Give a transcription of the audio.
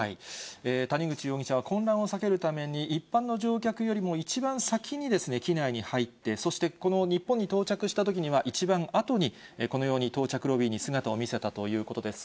谷口容疑者は混乱を避けるために、一般の乗客よりも一番先に機内に入って、そしてこの日本に到着したときには、一番あとにこのように、到着ロビーに姿を見せたということです。